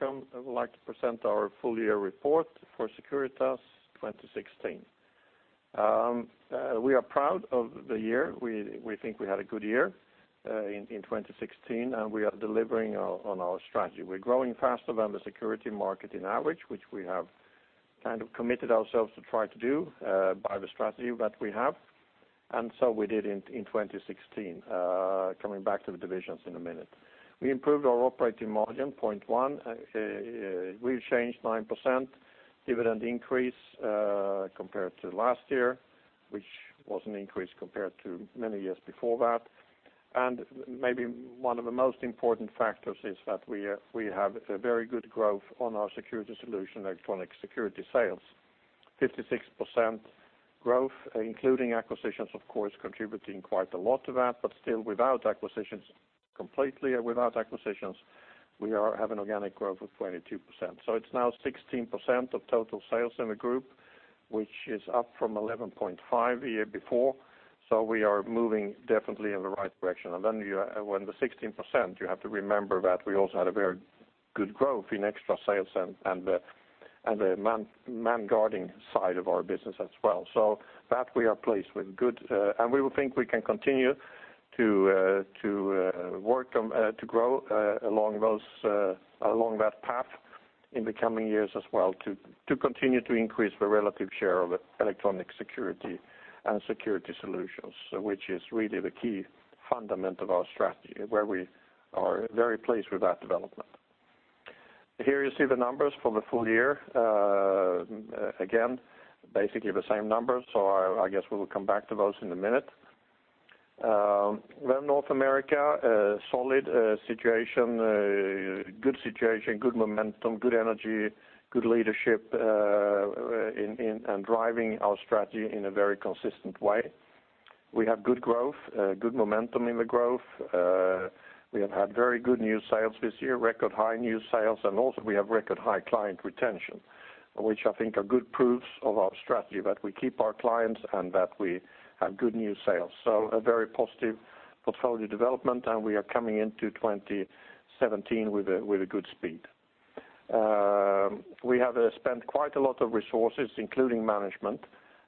Hello, everyone. Very welcome. I would like to present our full year report for Securitas 2016. We are proud of the year. We think we had a good year in 2016, and we are delivering on our strategy. We're growing faster than the security market in average, which we have kind of committed ourselves to try to do by the strategy that we have, and so we did in 2016. Coming back to the divisions in a minute. We improved our operating margin 0.1%, we've changed 9% dividend increase compared to last year, which was an increase compared to many years before that. And maybe one of the most important factors is that we have a very good growth on our security solution, electronic security sales. 56% growth, including acquisitions, of course, contributing quite a lot to that, but still, without acquisitions, completely without acquisitions, we are have an organic growth of 22%. So it's now 16% of total sales in the group, which is up from 11.5% the year before, so we are moving definitely in the right direction. And then when the 16%, you have to remember that we also had a very good growth in extra sales and the manned guarding side of our business as well. So that we are pleased with. Good, and we will think we can continue to work on to grow along that path in the coming years as well, to continue to increase the relative share of electronic security and security solutions, so which is really the key fundamental of our strategy, where we are very pleased with that development. Here, you see the numbers for the full year. Again, basically the same numbers, so I guess we will come back to those in a minute. Then North America, solid situation, good situation, good momentum, good energy, good leadership and driving our strategy in a very consistent way. We have good growth, good momentum in the growth. We have had very good new sales this year, record high new sales, and also we have record high client retention, which I think are good proofs of our strategy, that we keep our clients and that we have good new sales. So a very positive portfolio development, and we are coming into 2017 with a good speed. We have spent quite a lot of resources, including management,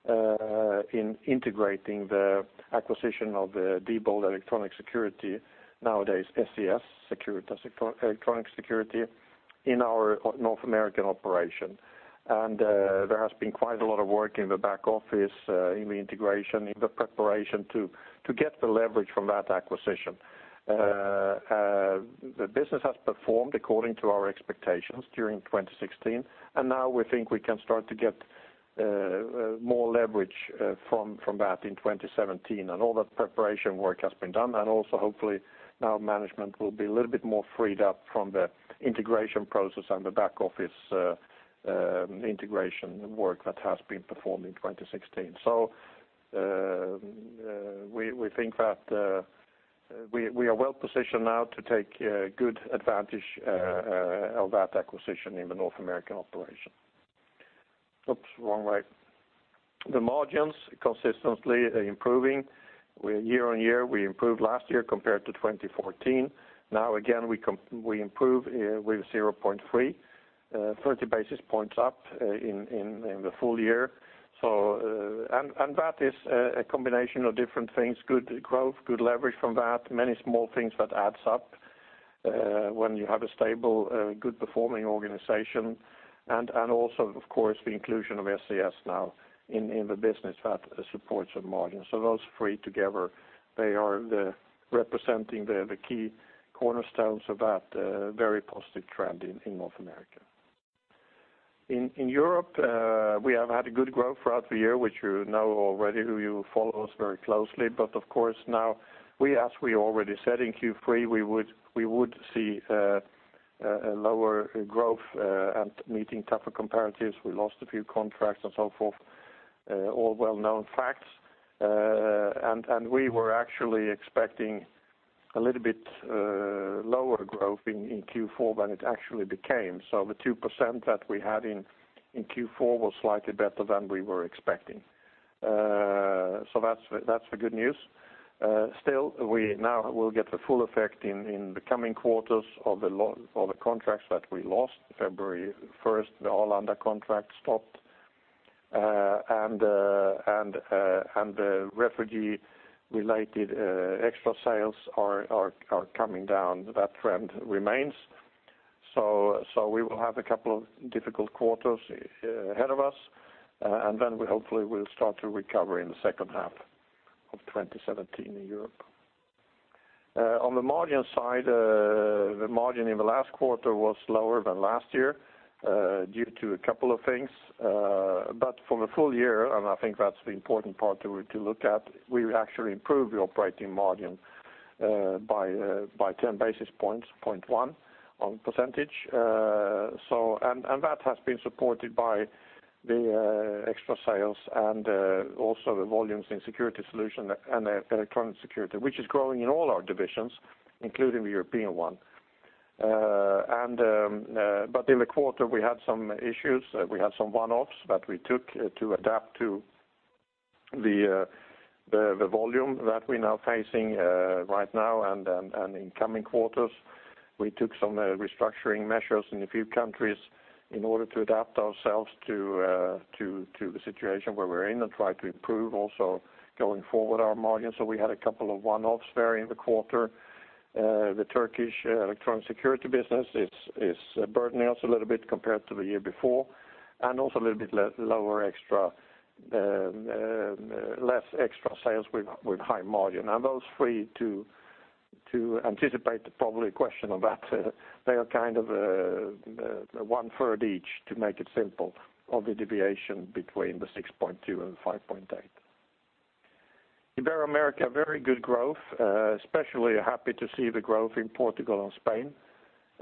in integrating the acquisition of the Diebold Electronic Security, nowadays, SES, Securitas Electronic Security, in our North American operation. And there has been quite a lot of work in the back office, in the integration, in the preparation to get the leverage from that acquisition. The business has performed according to our expectations during 2016, and now we think we can start to get more leverage from that in 2017. All that preparation work has been done, and also hopefully now management will be a little bit more freed up from the integration process and the back office integration work that has been performed in 2016. So, we think that we are well positioned now to take good advantage of that acquisition in the North American operation. Oops, wrong way. The margins consistently improving year-over-year. We improved last year compared to 2014. Now, again, we improve with 0.3% 30 basis points up in the full year. So, and, and that is, a combination of different things, good growth, good leverage from that, many small things that adds up, when you have a stable, good performing organization. And also, of course, the inclusion of SES now in the business that supports the margin. So those three together, they are representing the key cornerstones of that very positive trend in North America. In Europe, we have had a good growth throughout the year, which you know already, you follow us very closely. But of course, now we, as we already said in Q3, we would see a lower growth and meeting tougher comparatives. We lost a few contracts and so forth, all well-known facts. And we were actually expecting a little bit lower growth in Q4 than it actually became. So the 2% that we had in Q4 was slightly better than we were expecting. So that's the good news. Still, we now will get the full effect in the coming quarters of the contracts that we lost. February 1st, the Arlanda contract stopped, and the refugee-related extra sales are coming down. That trend remains. So we will have a couple of difficult quarters ahead of us, and then we hopefully will start to recover in the second half of 2017 in Europe. On the margin side, the margin in the last quarter was lower than last year, due to a couple of things. But for the full year, and I think that's the important part to look at, we actually improved the operating margin by 10 basis points, 0.1 percentage points. So, and that has been supported by the extra sales and also the volumes in security solution and electronic security, which is growing in all our divisions, including the European one. But in the quarter, we had some issues. We had some one-offs that we took to adapt to the volume that we're now facing right now, and in coming quarters, we took some restructuring measures in a few countries in order to adapt ourselves to the situation where we're in and try to improve also going forward our margins. So we had a couple of one-offs there in the quarter. The Turkish electronic security business, it's burdening us a little bit compared to the year before, and also a little bit lower extra, less extra sales with high margin. Those three, to anticipate the probably question on that, they are kind of one-third each, to make it simple, of the deviation between the 6.2% and 5.8%. Ibero-America, very good growth, especially happy to see the growth in Portugal and Spain.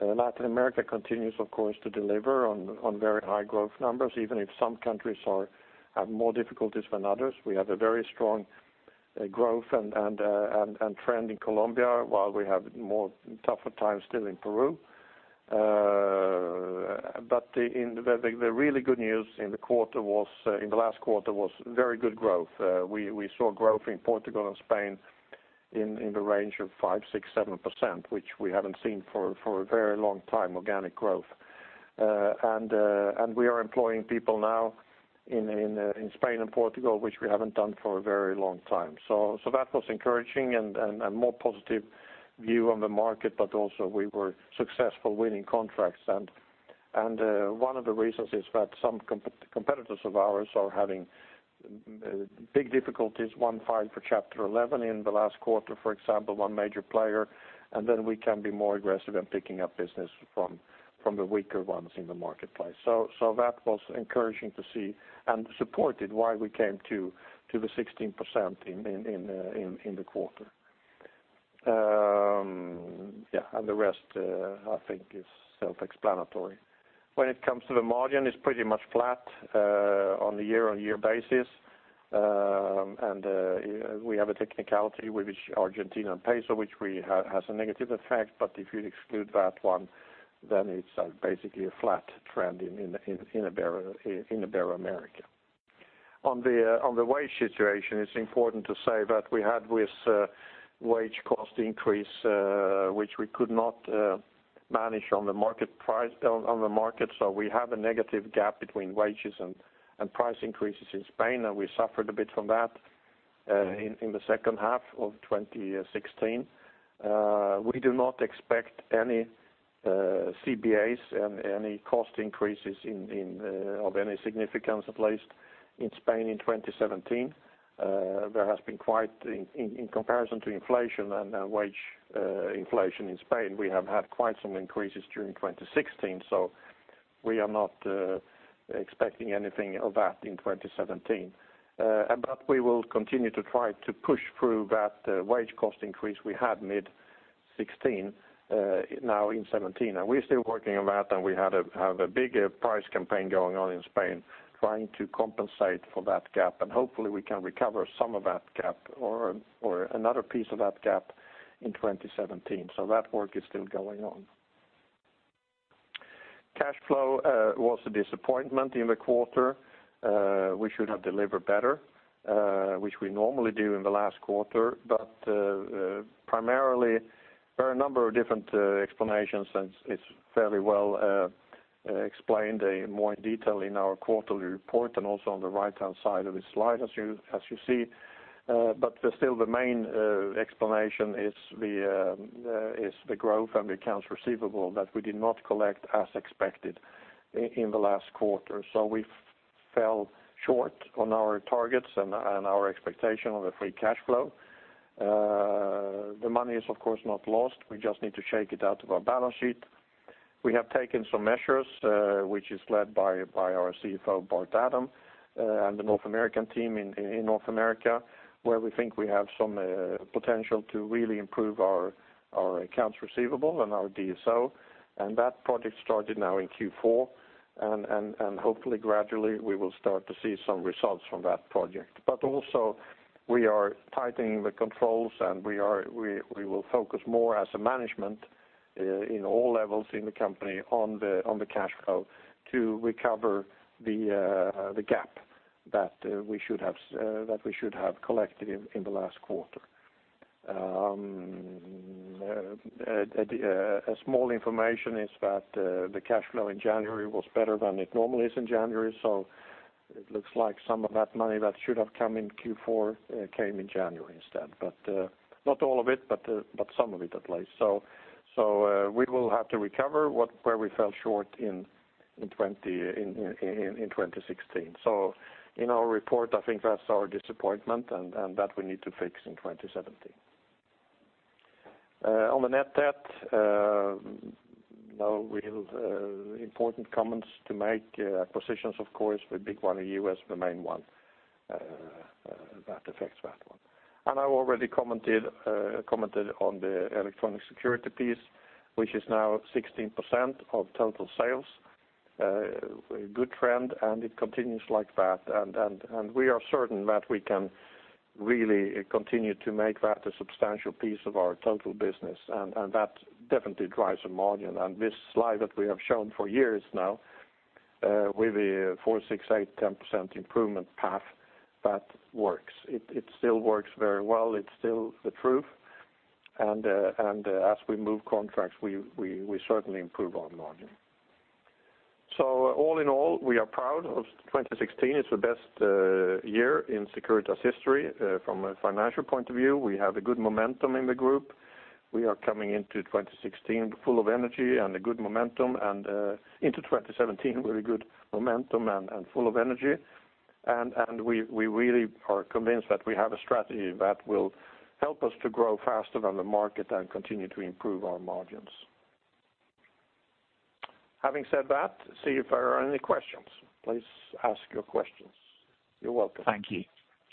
Latin America continues, of course, to deliver on very high growth numbers, even if some countries have more difficulties than others. We have a very strong growth and trend in Colombia, while we have more tougher times still in Peru. But the really good news in the quarter was, in the last quarter, was very good growth. We saw growth in Portugal and Spain in the range of 5%-7%, which we haven't seen for a very long time, organic growth. And we are employing people now in Spain and Portugal, which we haven't done for a very long time. So that was encouraging and more positive view on the market, but also we were successful winning contracts. And one of the reasons is that some competitors of ours are having big difficulties. One filed for Chapter 11 in the last quarter, for example, one major player, and then we can be more aggressive in picking up business from the weaker ones in the marketplace. So that was encouraging to see and supported why we came to the 16% in the quarter. Yeah, and the rest I think is self-explanatory. When it comes to the margin, it's pretty much flat on a year-on-year basis. And we have a technicality with the Argentine peso, which we have has a negative effect, but if you exclude that one, then it's basically a flat trend in Iberia, Ibero-America. On the wage situation, it's important to say that we had with wage cost increase, which we could not manage on the market price, on the market, so we have a negative gap between wages and price increases in Spain, and we suffered a bit from that in the second half of 2016. We do not expect any CBAs and any cost increases in of any significance, at least in Spain in 2017. There has been quite, in comparison to inflation and wage inflation in Spain, we have had quite some increases during 2016, so we are not expecting anything of that in 2017. But we will continue to try to push through that wage cost increase we had mid-2016 now in 2017. And we're still working on that, and we had a, have a big price campaign going on in Spain, trying to compensate for that gap, and hopefully we can recover some of that gap or, or another piece of that gap in 2017. So that work is still going on. Cash flow was a disappointment in the quarter. We should have delivered better, which we normally do in the last quarter. But primarily, there are a number of different explanations, and it's fairly well explained in more detail in our quarterly report and also on the right-hand side of this slide, as you see. But still, the main explanation is the growth and the accounts receivable that we did not collect as expected in the last quarter. So we fell short on our targets and our expectation of the free cash flow. The money is, of course, not lost. We just need to shake it out of our balance sheet. We have taken some measures, which is led by our CFO, Bart Adam, and the North American team in North America, where we think we have some potential to really improve our accounts receivable and our DSO. And that project started now in Q4, and hopefully gradually, we will start to see some results from that project. But also, we are tightening the controls, and we will focus more as a management in all levels in the company on the cash flow to recover the gap that we should have collected in the last quarter. A small information is that the cash flow in January was better than it normally is in January, so it looks like some of that money that should have come in Q4 came in January instead. But not all of it, but some of it, at least. So we will have to recover where we fell short in 2016. So in our report, I think that's our disappointment, and that we need to fix in 2017. On the net debt, no real important comments to make. Acquisitions, of course, the big one in U.S., the main one, that affects that one. And I already commented on the electronic security piece, which is now 16% of total sales. A good trend, and it continues like that. And we are certain that we really continue to make that a substantial piece of our total business, and that definitely drives the margin. And this slide that we have shown for years now, with the 4%, 6%, 8%, 10% improvement path, that works. It still works very well. It's still the truth, and as we move contracts, we certainly improve on margin. So all in all, we are proud of 2016. It's the best year in Securitas history from a financial point of view. We have a good momentum in the group. We are coming into 2016 full of energy and a good momentum, and into 2017, very good momentum and full of energy. We really are convinced that we have a strategy that will help us to grow faster than the market and continue to improve our margins. Having said that, see if there are any questions. Please ask your questions. You're welcome. Thank you.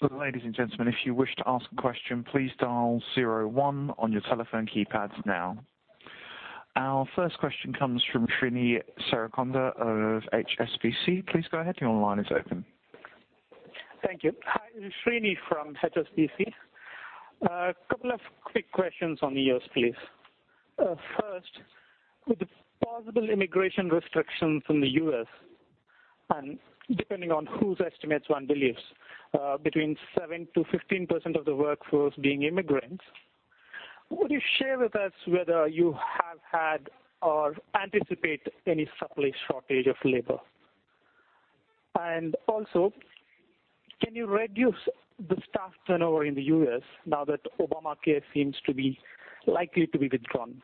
So ladies and gentlemen, if you wish to ask a question, please dial zero one on your telephone keypads now. Our first question comes from Srinivasan Sankaran of HSBC. Please go ahead. Your line is open. Thank you. Hi, Srini from HSBC. Couple of quick questions on yours, please. First, with the possible immigration restrictions in the U.S., and depending on whose estimates one believes, between 7%-15% of the workforce being immigrants, would you share with us whether you have had or anticipate any supply shortage of labor? And also, can you reduce the staff turnover in the U.S. now that Obamacare seems to be likely to be withdrawn?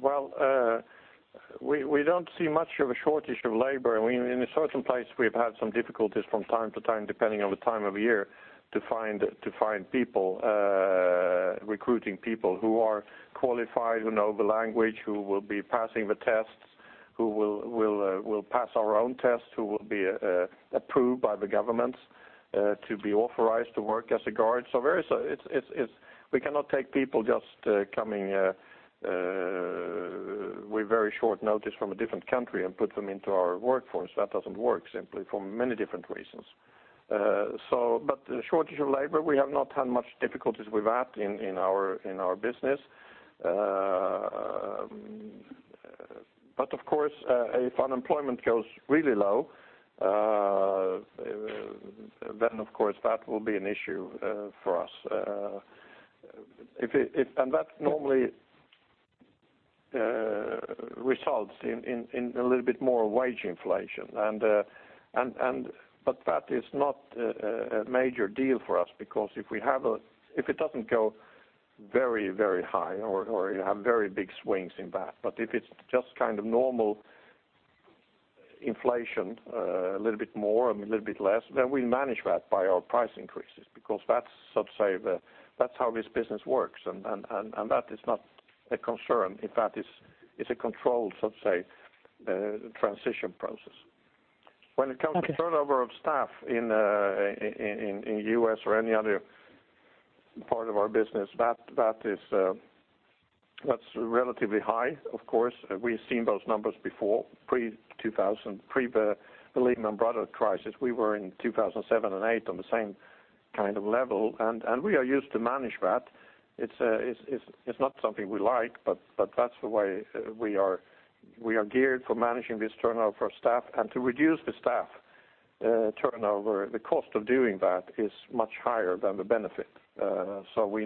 Well, we don't see much of a shortage of labor. In a certain place we've had some difficulties from time to time, depending on the time of year, to find people, recruiting people who are qualified, who know the language, who will be passing the tests, who will pass our own tests, who will be approved by the government to be authorized to work as a guard. It's. We cannot take people just coming with very short notice from a different country and put them into our workforce. That doesn't work simply for many different reasons. But the shortage of labor, we have not had much difficulties with that in our business. But of course, if unemployment goes really low, then of course, that will be an issue for us. If it and that normally results in a little bit more wage inflation. And but that is not a major deal for us, because if we have a – if it doesn't go very, very high or you have very big swings in that, but if it's just kind of normal inflation, a little bit more and a little bit less, then we manage that by our price increases, because that's so to say, the – that's how this business works, and that is not a concern, if that is a controlled, so to say, transition process. Okay. When it comes to turnover of staff in U.S. or any other part of our business, that is, that's relatively high, of course. We've seen those numbers before, pre-2000, pre the Lehman Brothers crisis. We were in 2007 and 2008 on the same kind of level, and we are used to manage that. It's not something we like, but that's the way we are, we are geared for managing this turnover of staff. And to reduce the staff turnover, the cost of doing that is much higher than the benefit. So,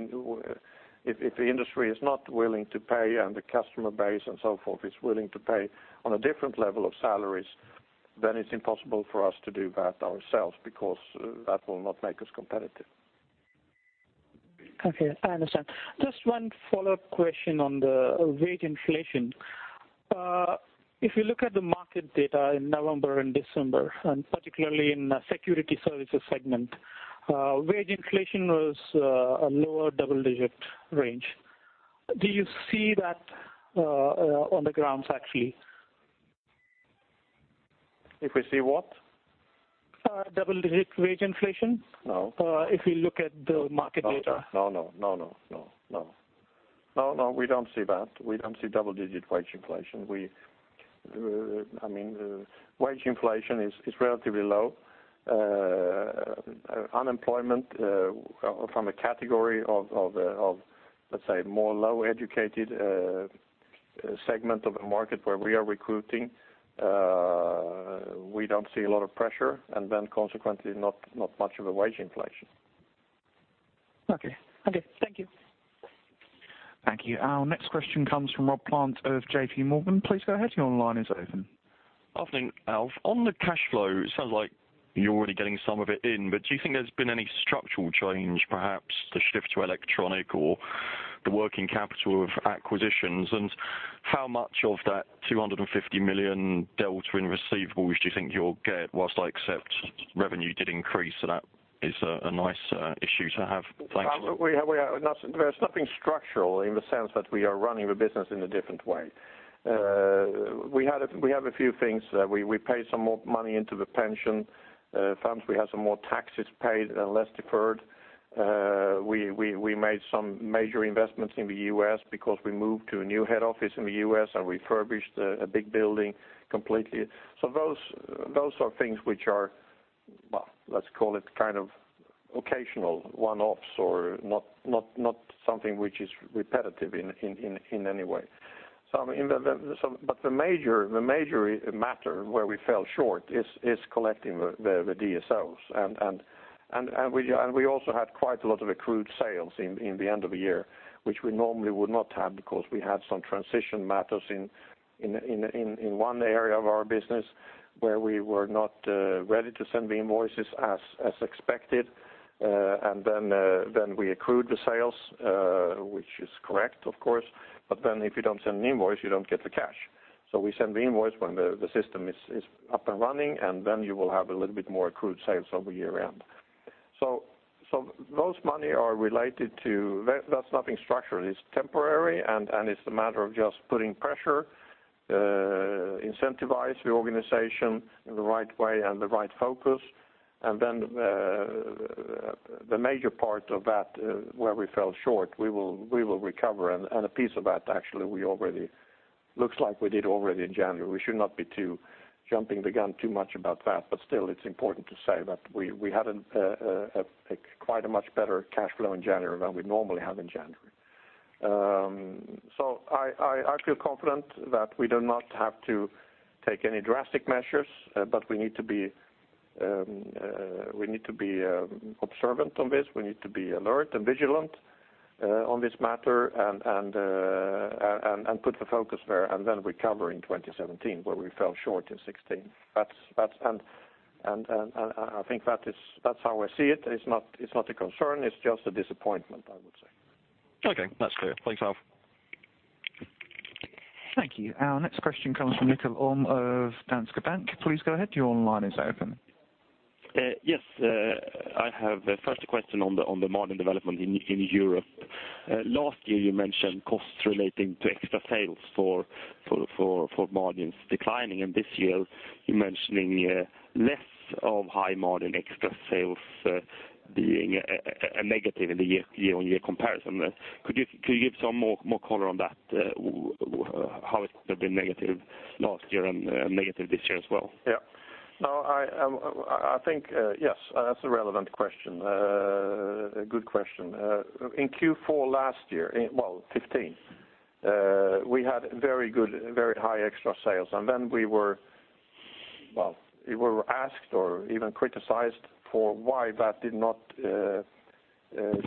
if the industry is not willing to pay and the customer base and so forth is willing to pay on a different level of salaries, then it's impossible for us to do that ourselves, because that will not make us competitive. Okay, I understand. Just one follow-up question on the wage inflation. If you look at the market data in November and December, and particularly in the security services segment, wage inflation was a lower double digit range. Do you see that on the grounds, actually? If we see what? Double-digit wage inflation? No. If you look at the market data. No, no. No, no, no, no. No, no, we don't see that. We don't see double-digit wage inflation. We, I mean, wage inflation is relatively low. Unemployment, from a category of, let's say, more low-educated segment of the market where we are recruiting, we don't see a lot of pressure, and then consequently, not much of a wage inflation. Okay. Okay, thank you. Thank you. Our next question comes from Rob Plant of JPMorgan. Please go ahead, your line is open. Good afternoon, Alf. On the cash flow, it sounds like you're already getting some of it in, but do you think there's been any structural change, perhaps the shift to electronic or the working capital of acquisitions? And how much of that 250 million delta in receivables do you think you'll get, while I accept revenue did increase, so that is a nice issue to have? Thank you. We are-- There's nothing structural in the sense that we are running the business in a different way. We have a few things. We paid some more money into the pension funds. We had some more taxes paid and less deferred. We made some major investments in the U.S. because we moved to a new head office in the U.S. and refurbished a big building completely. So those are things which are... well, let's call it kind of occasional one-offs or not something which is repetitive in any way. So, I mean, but the major matter where we fell short is collecting the DSOs. We also had quite a lot of accrued sales in the end of the year, which we normally would not have because we had some transition matters in one area of our business where we were not ready to send the invoices as expected. And then we accrued the sales, which is correct, of course, but then if you don't send an invoice, you don't get the cash. So we send the invoice when the system is up and running, and then you will have a little bit more accrued sales over year-end. So those money are related to that, that's nothing structural. It's temporary, and it's a matter of just putting pressure, incentivize the organization in the right way and the right focus. And then, the major part of that, where we fell short, we will, we will recover. And a piece of that, actually, we already. Looks like we did already in January. We should not be too jumping the gun too much about that, but still, it's important to say that we, we had a quite a much better cash flow in January than we normally have in January. So I, I, I feel confident that we do not have to take any drastic measures, but we need to be, we need to be observant on this. We need to be alert and vigilant on this matter and put the focus there, and then recover in 2017, where we fell short in 2016. That's, that's... I think that is- that's how I see it. It's not, it's not a concern, it's just a disappointment, I would say. Okay, that's clear. Thanks, Alf. Thank you. Our next question comes from Michael Holm of Danske Bank. Please go ahead, your line is open. Yes. I have the first question on the margin development in Europe. Last year, you mentioned costs relating to extra sales for margins declining, and this year, you're mentioning less of high margin extra sales being a negative in the year-on-year comparison. Could you give some more color on that, how it could have been negative last year and negative this year as well? Yeah. No, I think yes, that's a relevant question. A good question. In Q4 last year, in well, 2015, we had very good, very high extra sales, and then we were well, we were asked, or even criticized, for why that did not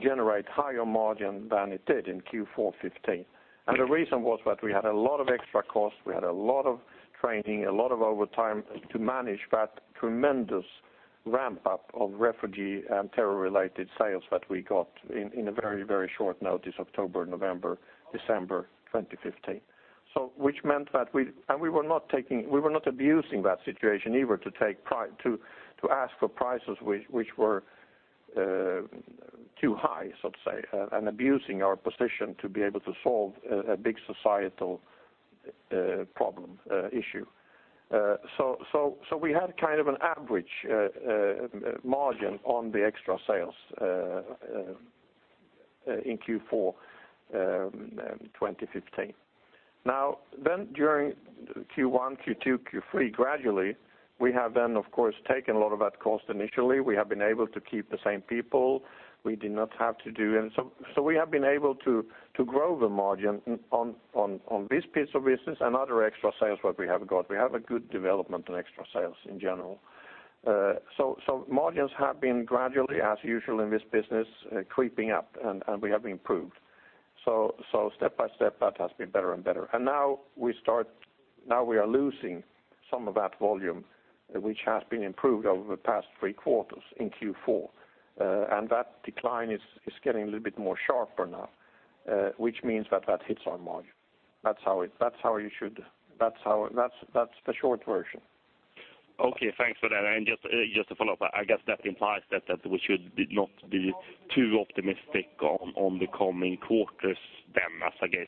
generate higher margin than it did in Q4 2015. And the reason was that we had a lot of extra costs, we had a lot of training, a lot of overtime to manage that tremendous ramp-up of refugee and terror-related sales that we got in a very, very short notice, October, November, December 2015. So which meant that we and we were not taking—we were not abusing that situation either to ask for prices which were too high, so to say, and abusing our position to be able to solve a big societal problem, issue. So we had kind of an average margin on the extra sales in Q4 2015. Now, then, during Q1, Q2, Q3, gradually, we have then, of course, taken a lot of that cost initially. We have been able to keep the same people. We did not have to do... And so we have been able to grow the margin on this piece of business and other extra sales that we have got. We have a good development in extra sales in general. So, margins have been gradually, as usual in this business, creeping up, and we have improved. So, step by step, that has been better and better. And now we are losing some of that volume, which has been improved over the past three quarters in Q4. And that decline is getting a little bit more sharper now, which means that that hits our margin. That's how it- that's how you should. That's how- that's, that's the short version. Okay, thanks for that. And just, just to follow up, I guess that implies that we should not be too optimistic on the coming quarters then, as I guess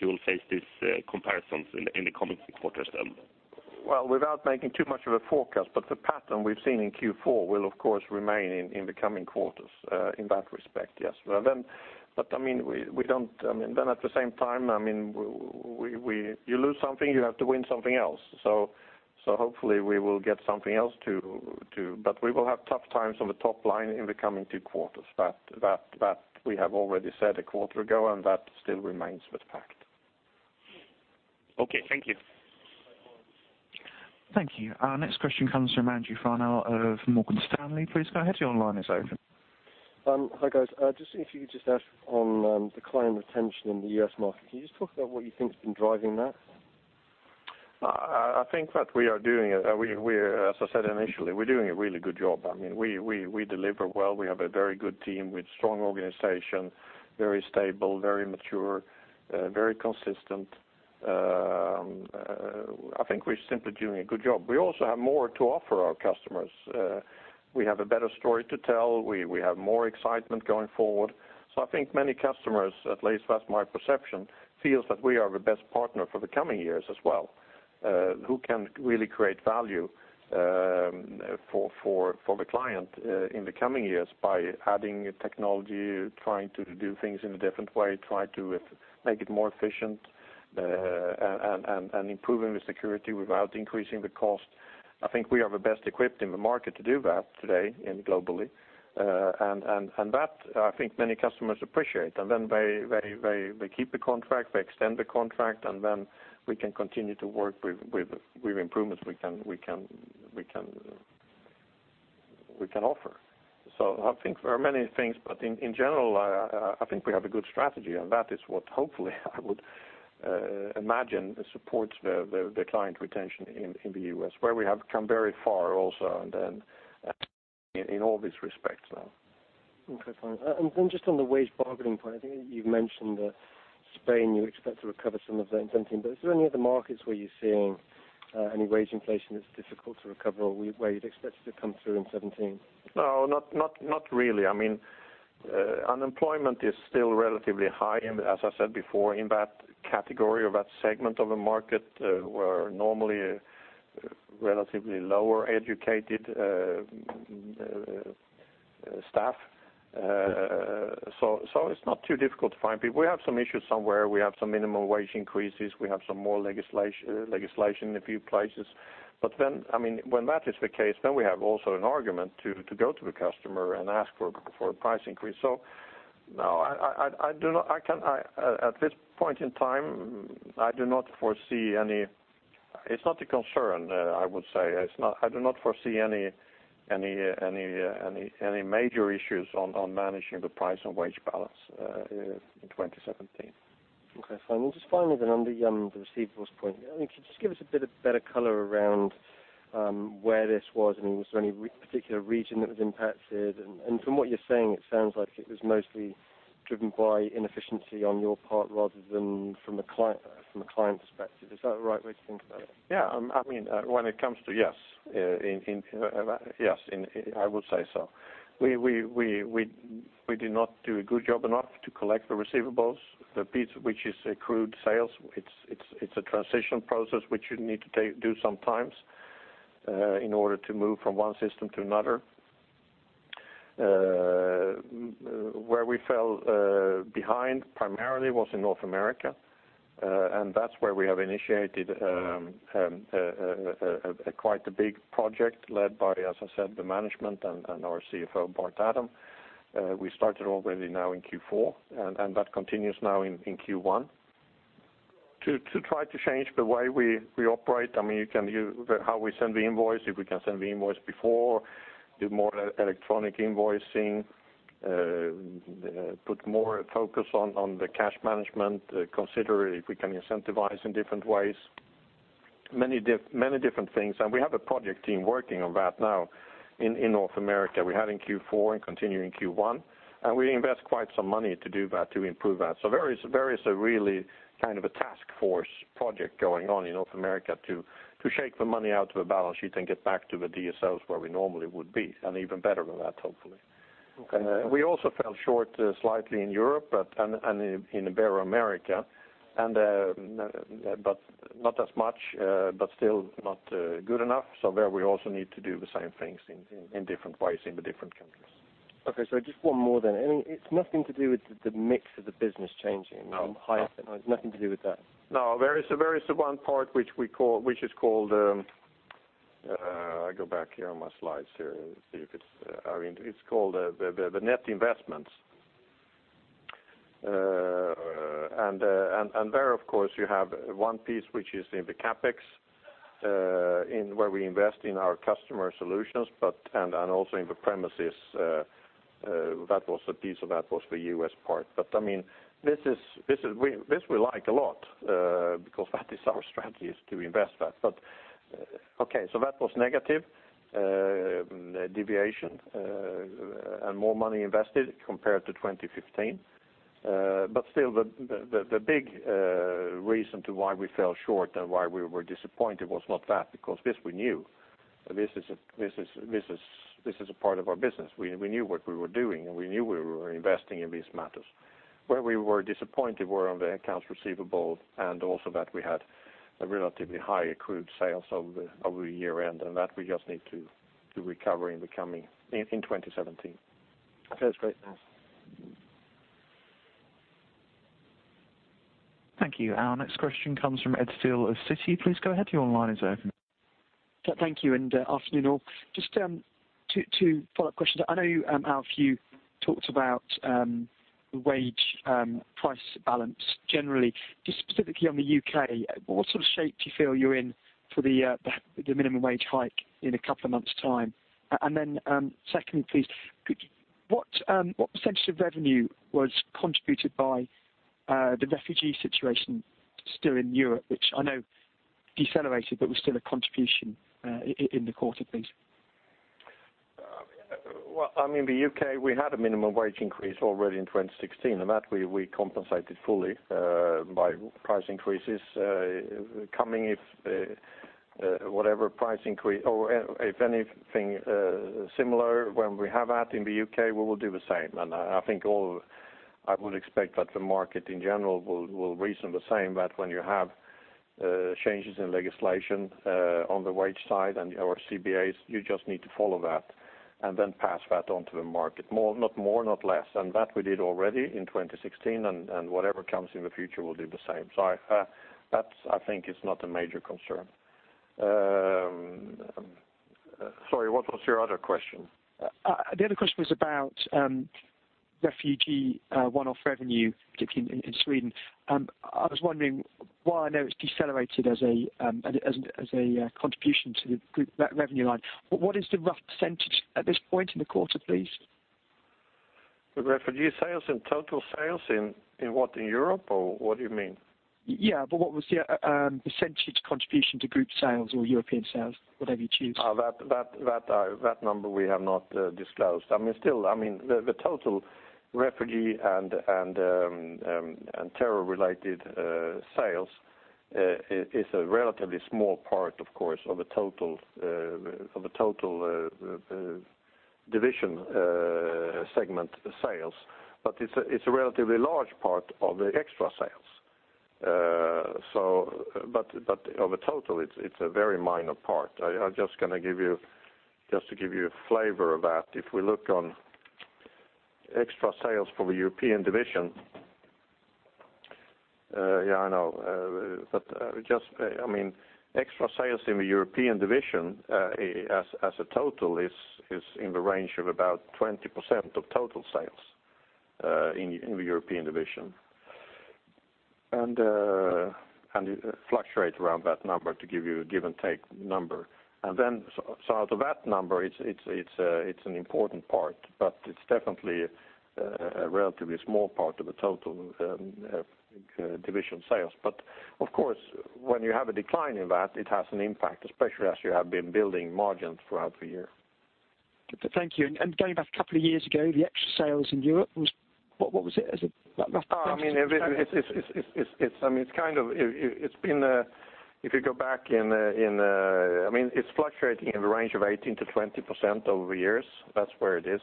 you will face these comparisons in the coming quarters then? Well, without making too much of a forecast, but the pattern we've seen in Q4 will, of course, remain in the coming quarters, in that respect, yes. Well, then, but I mean, we don't—I mean, then at the same time, I mean, we, you lose something, you have to win something else. So hopefully we will get something else to... But we will have tough times on the top line in the coming two quarters. That we have already said a quarter ago, and that still remains as fact. Okay, thank you. Thank you. Our next question comes from Andrew Fennell of Morgan Stanley. Please go ahead, your line is open. Hi, guys. Just if you could just add on, the client retention in the U.S. market, can you just talk about what you think has been driving that? I think that we are doing it. As I said initially, we're doing a really good job. I mean, we deliver well. We have a very good team with strong organization, very stable, very mature, very consistent. I think we're simply doing a good job. We also have more to offer our customers. We have a better story to tell. We have more excitement going forward. So I think many customers, at least that's my perception, feels that we are the best partner for the coming years as well, who can really create value for the client in the coming years by adding technology, trying to do things in a different way, try to make it more efficient.... Improving the security without increasing the cost, I think we are the best equipped in the market to do that today and globally. And that, I think many customers appreciate, and then they keep the contract, they extend the contract, and then we can continue to work with improvements we can offer. So I think there are many things, but in general, I think we have a good strategy, and that is what hopefully I would imagine supports the client retention in the U.S., where we have come very far also, and then in all these respects now. Okay, fine. And just on the wage bargaining point, I think you've mentioned that Spain, you expect to recover some of that in 2017. But is there any other markets where you're seeing any wage inflation that's difficult to recover, or where you'd expect it to come through in 2017? No, not really. I mean, unemployment is still relatively high, and as I said before, in that category or that segment of the market, where normally relatively lower educated staff, so it's not too difficult to find people. We have some issues somewhere. We have some minimum wage increases. We have some more legislation in a few places. But then, I mean, when that is the case, then we have also an argument to go to the customer and ask for a price increase. So no, I do not. I can, at this point in time, I do not foresee any... It's not a concern, I would say. It's not. I do not foresee any major issues on managing the price and wage balance in 2017. Okay, fine. And just finally then, on the, the receivables point, I mean, could you just give us a bit of better color around, where this was? I mean, was there any particular region that was impacted? And from what you're saying, it sounds like it was mostly driven by inefficiency on your part, rather than from the client, from the client perspective. Is that the right way to think about it? Yeah. I mean, when it comes to... Yes, in, I would say so. We did not do a good job enough to collect the receivables, the piece which is accrued sales. It's a transition process which you need to do sometimes, in order to move from one system to another. Where we fell behind primarily was in North America, and that's where we have initiated a quite big project led by, as I said, the management and our CFO, Bart Adam. We started already now in Q4, and that continues now in Q1. To try to change the way we operate, I mean, you can how we send the invoice, if we can send the invoice before, do more electronic invoicing, put more focus on the cash management, consider if we can incentivize in different ways. Many different things, and we have a project team working on that now in North America. We had in Q4 and continue in Q1, and we invest quite some money to do that, to improve that. So there is a really kind of a task force project going on in North America to shake the money out of the balance sheet and get back to the DSOs where we normally would be, and even better than that, hopefully. Okay. We also fell short slightly in Europe, but in Ibero-America, but not as much, but still not good enough. So there we also need to do the same things in different ways in the different countries. Okay, so just one more then. And it's nothing to do with the mix of the business changing- No. It's nothing to do with that? No. There is one part which we call, which is called, I mean, it's called the net investments. And there, of course, you have one piece, which is in the CapEx, in where we invest in our customer solutions, but and also in the premises, uh, that was a piece of that was the U.S. part. But I mean, this is, this is we, this we like a lot, because that is our strategy is to invest that. But, okay, so that was negative deviation, and more money invested compared to 2015. But still, the big reason to why we fell short and why we were disappointed was not that, because this we knew. This is a part of our business. We knew what we were doing, and we knew we were investing in these matters. Where we were disappointed were on the accounts receivable and also that we had a relatively high accrued sales over the year-end, and that we just need to recover in the coming 2017. Okay, that's great. Thank you. Our next question comes from Edward Steele of Citi. Please go ahead, your line is open. Thank you, and afternoon, all. Just two follow-up questions. I know, Alf, you talked about the wage price balance generally. Just specifically on the U.K., what sort of shape do you feel you're in for the minimum wage hike in a couple of months' time? And then secondly, please, could what percentage of revenue was contributed by the refugee situation still in Europe, which I know decelerated, but was still a contribution in the quarter, please? Well, I mean, the U.K., we had a minimum wage increase already in 2016, and that we, we compensated fully by price increases. Coming if, whatever price increase or if anything similar, when we have that in the U.K., we will do the same. And I, I think all, I would expect that the market in general will, will reason the same, that when you have changes in legislation on the wage side and our CBAs, you just need to follow that and then pass that on to the market. More, not more, not less, and that we did already in 2016, and, and whatever comes in the future, we'll do the same. So I, that's, I think, is not a major concern. Sorry, what was your other question? The other question was about refugee one-off revenue, particularly in Sweden. I was wondering, while I know it's decelerated as a contribution to the group revenue line, but what is the rough percentage at this point in the quarter, please? The refugee sales and total sales in what, in Europe, or what do you mean? Yeah, but what was the percentage contribution to group sales or European sales, whatever you choose? That number we have not disclosed. I mean, still, I mean, the total refugee and terror-related sales is a relatively small part, of course, of the total division segment sales. But it's a relatively large part of the extra sales. But of the total, it's a very minor part. I'm just gonna give you, just to give you a flavor of that, if we look on extra sales for the European division. I mean, extra sales in the European division as a total is in the range of about 20% of total sales in the European division. And it fluctuates around that number, to give you a give-and-take number. And then out of that number, it's an important part, but it's definitely a relatively small part of the total division sales. But of course, when you have a decline in that, it has an impact, especially as you have been building margins throughout the year. Thank you, and going back a couple of years ago, the extra sales in Europe was, what, what was it, as a, that rough percentage? Oh, I mean, it's been, if you go back in, in... I mean, it's fluctuating in the range of 18%-20% over the years. That's where it is.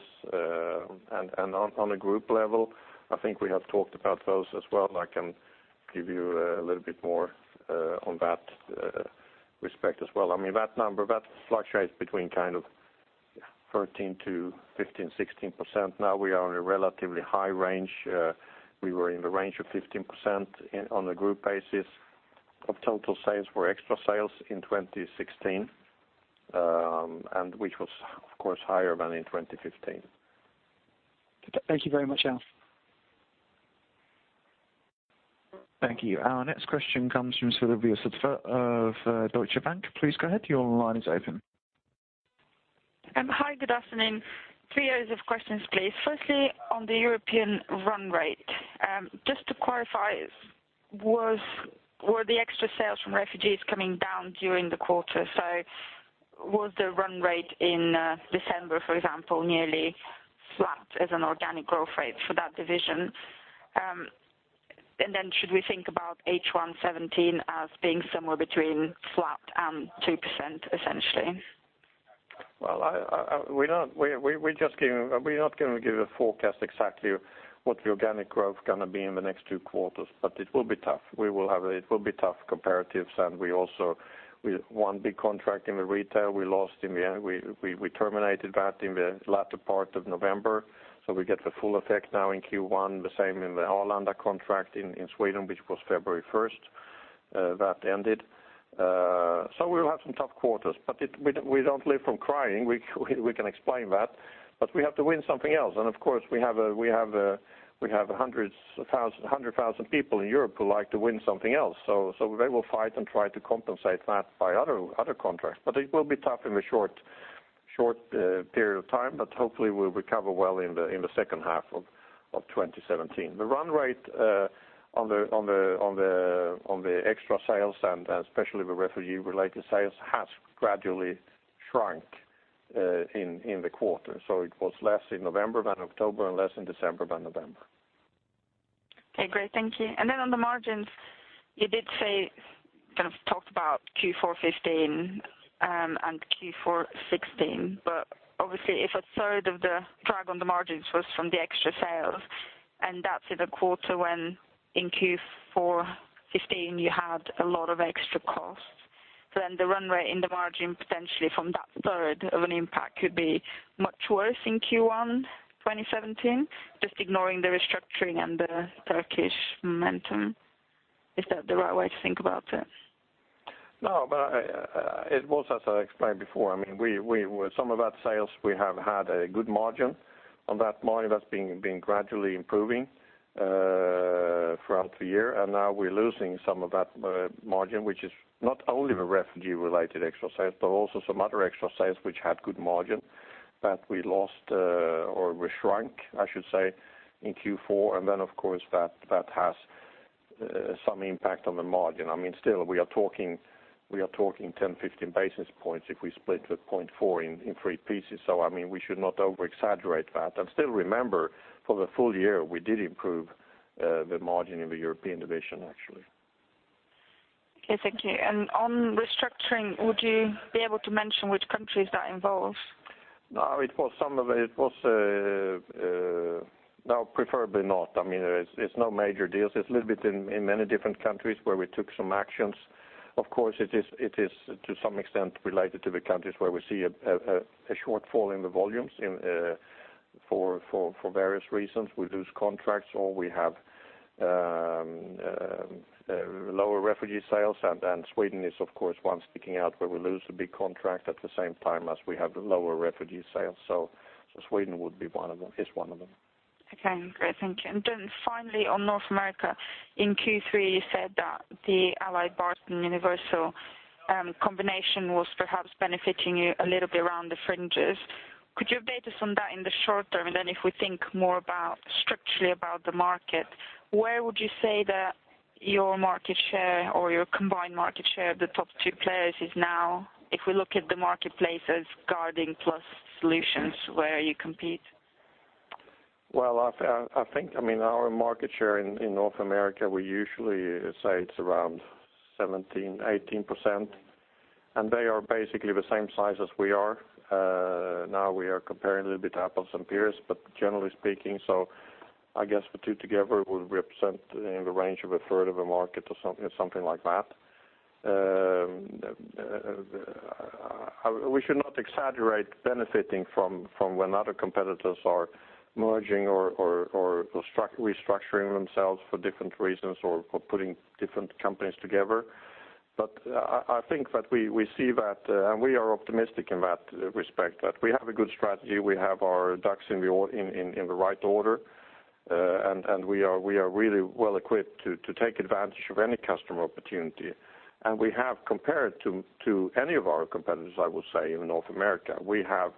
And, on a group level, I think we have talked about those as well. I can give you a little bit more, on that respect as well. I mean, that number, that fluctuates between kind of 13%-15%, 16%. Now we are in a relatively high range. We were in the range of 15% in, on a group basis of total sales for extra sales in 2016, and which was, of course, higher than in 2015. Thank you very much, Alf. Thank you. Our next question comes from Sylvia Barker of Deutsche Bank. Please go ahead. Your line is open. Hi, good afternoon. Three areas of questions, please. Firstly, on the European run rate, just to clarify, was, were the extra sales from refugees coming down during the quarter? So was the run rate in, December, for example, nearly flat as an organic growth rate for that division? And then should we think about H1 2017 as being somewhere between flat and 2%, essentially? Well, we don't -- we just gave, we're not going to give a forecast exactly what the organic growth is gonna be in the next two quarters, but it will be tough. We will have tough comparatives, and we also lost one big contract in the retail in the end. We terminated that in the latter part of November, so we get the full effect now in Q1, the same in the Arlanda contract in Sweden, which was February 1st, that ended. So we will have some tough quarters, but we don't live from crying. We can explain that, but we have to win something else. And of course, we have hundreds of thousands, 100,000 people in Europe who like to win something else. So they will fight and try to compensate that by other contracts. But it will be tough in the short period of time, but hopefully we'll recover well in the second half of 2017. The run rate on the extra sales, and especially the refugee-related sales, has gradually shrunk in the quarter. So it was less in November than October and less in December than November. Okay, great. Thank you. And then on the margins, you did say, kind of talked about Q4 2015, and Q4 2016, but obviously, if a third of the drag on the margins was from the extra sales, and that's in a quarter when in Q4 2015, you had a lot of extra costs, then the run rate in the margin potentially from that third of an impact could be much worse in Q1 2017, just ignoring the restructuring and the Turkish momentum. Is that the right way to think about it? No, but it was as I explained before. I mean, we some of that sales, we have had a good margin on that margin that's been gradually improving throughout the year. And now we're losing some of that margin, which is not only the refugee-related extra sales, but also some other extra sales which had good margin that we lost or we shrunk, I should say, in Q4. And then, of course, that has some impact on the margin. I mean, still, we are talking 10, 15 basis points if we split the 0.4 in three pieces. So, I mean, we should not over-exaggerate that. And still, remember, for the full year, we did improve the margin in the European division, actually. Okay, thank you. On restructuring, would you be able to mention which countries that involves?... No, it was some of it, it was, no, preferably not. I mean, there's, it's no major deals. It's a little bit in many different countries where we took some actions. Of course, it is, it is to some extent related to the countries where we see a shortfall in the volumes in, for various reasons. We lose contracts or we have lower refugee sales, and Sweden is of course one sticking out where we lose a big contract at the same time as we have the lower refugee sales. So, Sweden would be one of them, is one of them. Okay, great, thank you. And then finally, on North America, in Q3, you said that the AlliedBarton Universal combination was perhaps benefiting you a little bit around the fringes. Could you update us on that in the short term? And then if we think more about structurally about the market, where would you say that your market share or your combined market share of the top two players is now, if we look at the marketplace as guarding plus solutions where you compete? Well, I think, I mean, our market share in North America, we usually say it's around 17%-18%, and they are basically the same size as we are. Now we are comparing a little bit apples and pears, but generally speaking, so I guess the two together would represent in the range of a third of a market or something like that. We should not exaggerate benefiting from when other competitors are merging or restructuring themselves for different reasons or putting different companies together. But I think that we see that, and we are optimistic in that respect, that we have a good strategy. We have our ducks in the right order, and we are really well equipped to take advantage of any customer opportunity. We have compared to any of our competitors, I will say, in North America, we have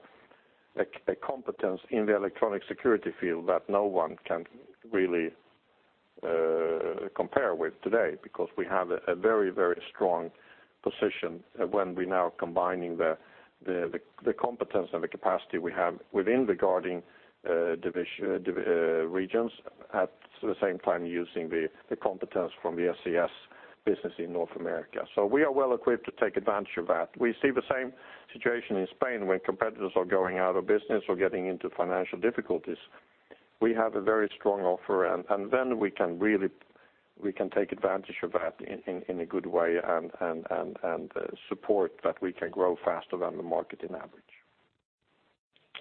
a competence in the electronic security field that no one can really compare with today, because we have a very, very strong position when we now combining the competence and the capacity we have within the guarding division regions, at the same time using the competence from the SES business in North America. So we are well equipped to take advantage of that. We see the same situation in Spain, where competitors are going out of business or getting into financial difficulties. We have a very strong offer, and then we can really, we can take advantage of that in a good way and support that we can grow faster than the market in average.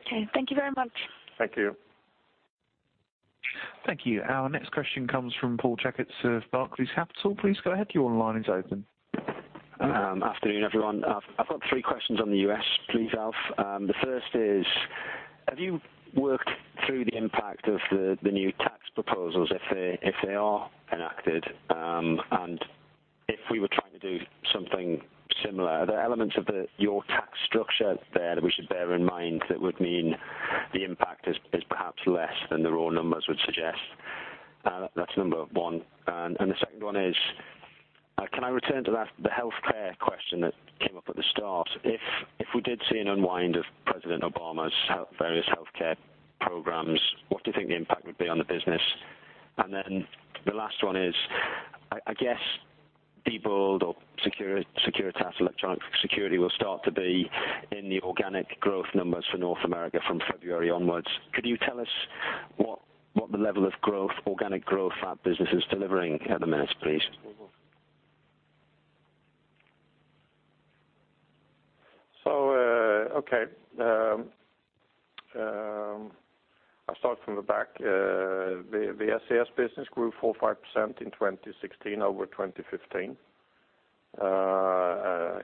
Okay. Thank you very much. Thank you. Thank you. Our next question comes from Paul Checketts at Barclays Capital. Please go ahead. Your line is open. Afternoon, everyone. I've got three questions on the U.S., please, Alf. The first is, have you worked through the impact of the new tax proposals, if they are enacted, and if we were trying to do something similar, are there elements of your tax structure there that we should bear in mind that would mean the impact is perhaps less than the raw numbers would suggest? That's number one. The second one is, can I return to that, the healthcare question that came up at the start? If we did see an unwind of President Obama's health, various healthcare programs, what do you think the impact would be on the business? Then the last one is, I guess, Diebold or Securitas Electronic Security will start to be in the organic growth numbers for North America from February onwards. Could you tell us what the level of growth, organic growth, that business is delivering at the minute, please? So, okay. I'll start from the back. The SES business grew 4.5% in 2016 over 2015.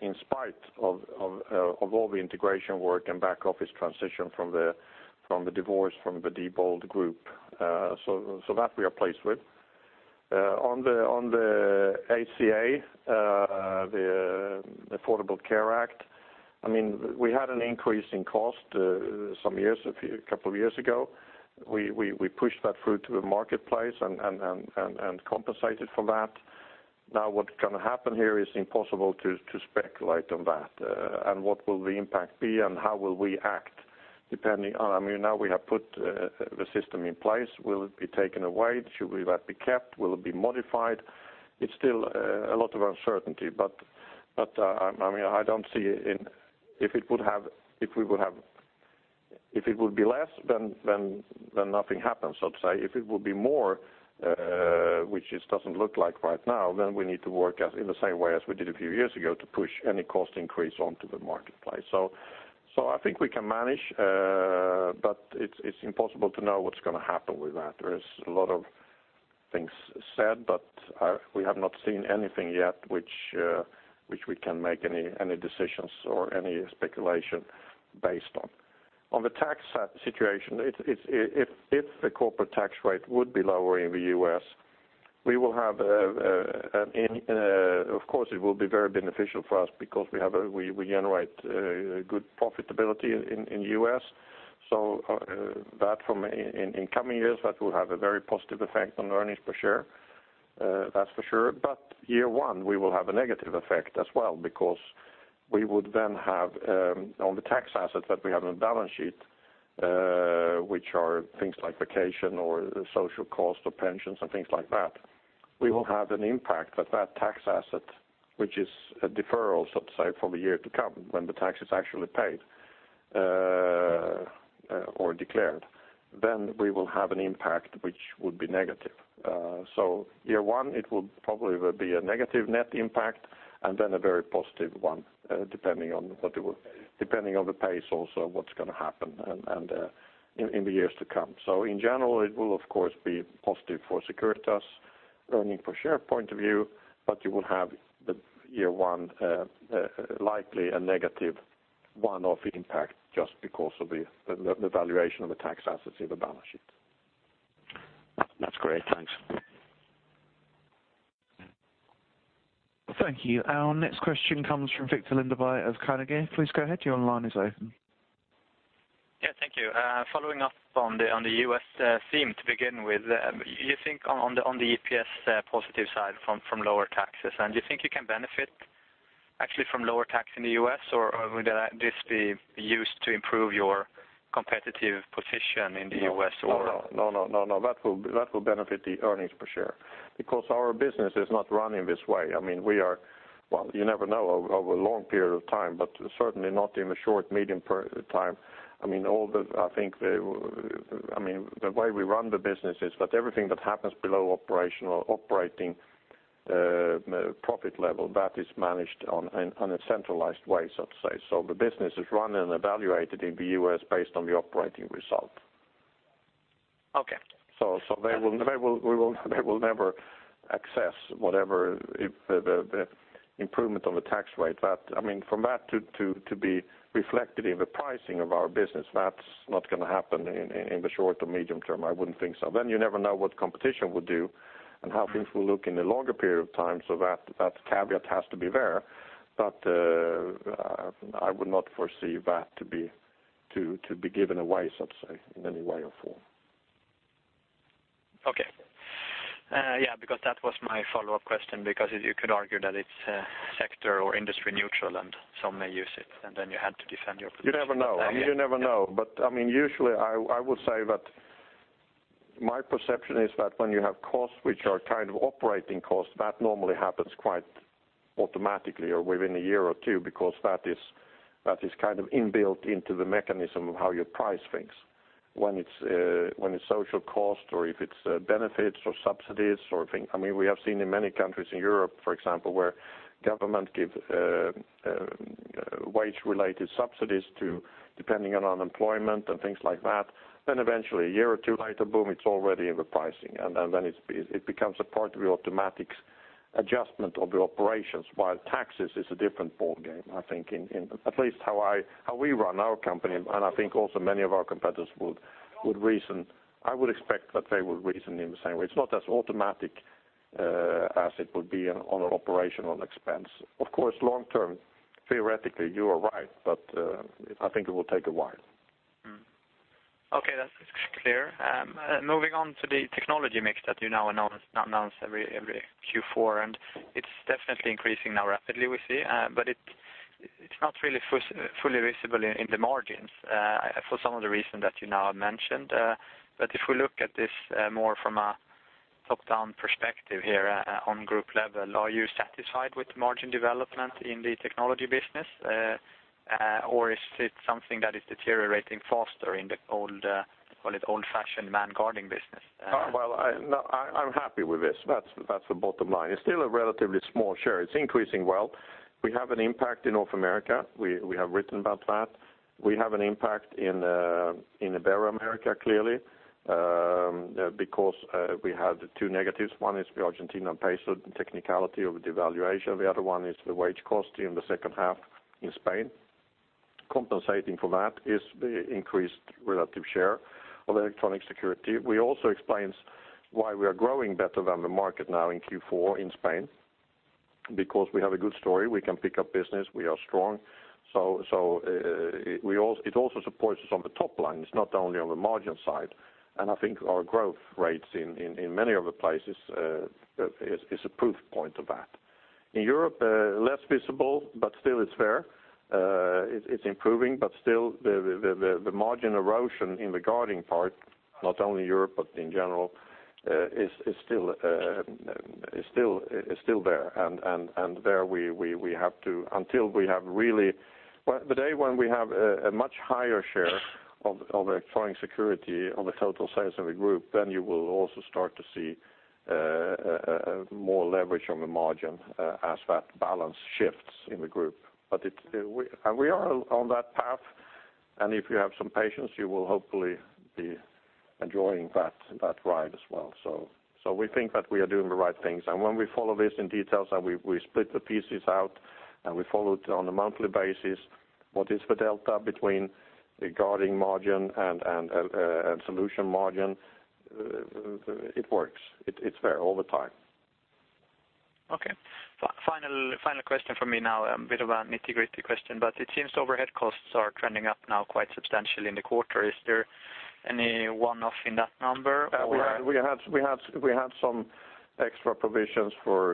In spite of all the integration work and back office transition from the divorce from the Diebold group. So that we are pleased with. On the ACA, the Affordable Care Act, I mean, we had an increase in cost some years, a couple of years ago. We pushed that through to the marketplace and compensated for that. Now, what's going to happen here is impossible to speculate on that, and what will the impact be and how will we act, depending on... I mean, now we have put the system in place. Will it be taken away? Should we let it be kept? Will it be modified? It's still a lot of uncertainty, but I mean, I don't see if it would have—if we would have—if it would be less, then nothing happens, so to say. If it would be more, which it doesn't look like right now, then we need to work in the same way as we did a few years ago to push any cost increase onto the marketplace. So I think we can manage, but it's impossible to know what's going to happen with that. There is a lot of things said, but we have not seen anything yet which we can make any decisions or any speculation based on. On the tax situation, if the corporate tax rate would be lower in the U.S., we will have an... Of course, it will be very beneficial for us because we generate good profitability in the U.S. So, that in coming years, that will have a very positive effect on earnings per share, that's for sure. But year one, we will have a negative effect as well, because we would then have on the tax asset that we have on the balance sheet, which are things like vacation or social cost of pensions and things like that, we will have an impact. But that tax asset, which is a deferral, so to say, for the year to come, when the tax is actually paid, or declared, then we will have an impact which would be negative. So year one, it will probably be a negative net impact, and then a very positive one, depending on the pace, also, what's gonna happen and in the years to come. So in general, it will of course be positive for Securitas' earnings per share point of view, but you will have the year one likely a negative one-off impact just because of the valuation of the tax assets in the balance sheet. That's great. Thanks. Thank you. Our next question comes from Viktor Lindeberg of Carnegie. Please go ahead, your line is open. Yeah, thank you. Following up on the U.S. theme to begin with, you think on the EPS positive side from lower taxes, and do you think you can benefit actually from lower tax in the U.S., or would this be used to improve your competitive position in the U.S.? No, no, no, no, that will, that will benefit the earnings per share. Because our business is not run in this way. I mean, we are-- Well, you never know over, over a long period of time, but certainly not in the short, medium per, time. I mean, all the... I think the, I mean, the way we run the business is that everything that happens below operational, operating, profit level, that is managed on, in, on a centralized way, so to say. So the business is run and evaluated in the U.S. based on the operating result. Okay. So they will never access whatever if the improvement of the tax rate. That, I mean, from that to be reflected in the pricing of our business, that's not gonna happen in the short or medium term, I wouldn't think so. Then you never know what competition will do and how things will look in the longer period of time, so that caveat has to be there. But I would not foresee that to be given away, so to speak, in any way or form. Okay. Yeah, because that was my follow-up question, because you could argue that it's sector or industry neutral, and some may use it, and then you had to defend your position. You never know. I mean, you never know. But, I mean, usually, I would say that my perception is that when you have costs which are kind of operating costs, that normally happens quite automatically or within a year or two, because that is kind of inbuilt into the mechanism of how you price things. When it's social cost or if it's benefits or subsidies or things... I mean, we have seen in many countries in Europe, for example, where government give wage-related subsidies to, depending on unemployment and things like that, then eventually, a year or two later, boom, it's already in the pricing. Then it's a part of the automatic adjustment of the operations, while taxes is a different ballgame, I think, in at least how we run our company, and I think also many of our competitors would reason, I would expect that they would reason in the same way. It's not as automatic as it would be on an operational expense. Of course, long term, theoretically, you are right, but I think it will take a while. Mm-hmm. Okay, that's clear. Moving on to the technology mix that you now announce every Q4, and it's definitely increasing now rapidly, we see. But it's not really fully visible in the margins, for some of the reasons that you now have mentioned. But if we look at this more from a top-down perspective here on group level, are you satisfied with margin development in the technology business? Or is it something that is deteriorating faster in the old, call it old-fashioned manned guarding business? Well, I'm happy with this. That's the bottom line. It's still a relatively small share. It's increasing well. We have an impact in North America. We have written about that. We have an impact in Ibero-America, clearly, because we have two negatives. One is the Argentine peso, technicality of the devaluation. The other one is the wage cost in the second half in Spain. Compensating for that is the increased relative share of electronic security. We also explains why we are growing better than the market now in Q4, in Spain, because we have a good story. We can pick up business. We are strong. So, it also supports us on the top line. It's not only on the margin side, and I think our growth rates in many other places is a proof point of that. In Europe, less visible, but still it's there. It's improving, but still the margin erosion in the guarding part, not only Europe, but in general, is still there. And there we have to... Until we have really-- Well, the day when we have a much higher share of electronic security on the total sales of the group, then you will also start to see more leverage on the margin, as that balance shifts in the group. But we and we are on that path, and if you have some patience, you will hopefully be enjoying that, that ride as well. So we think that we are doing the right things. And when we follow this in detail, and we split the pieces out, and we follow it on a monthly basis, what is the delta between the guarding margin and solution margin, it works. It’s there all the time. Okay. Final, final question for me now, a bit of a nitty-gritty question, but it seems overhead costs are trending up now quite substantially in the quarter. Is there-... Any one-off in that number or? We had some extra provisions for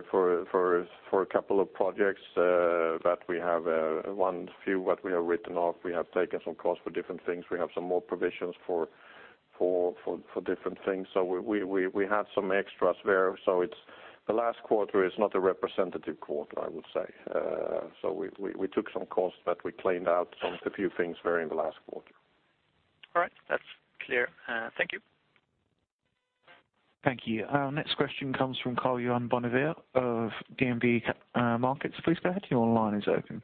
a couple of projects that we have one few what we have written off. We have taken some costs for different things. We have some more provisions for different things. So we had some extras there. So it's the last quarter is not a representative quarter, I would say. So we took some costs, but we cleaned out some a few things there in the last quarter. All right, that's clear. Thank you. Thank you. Our next question comes from Karl-Johan Bonnevier of DNB Markets. Please go ahead, your line is open.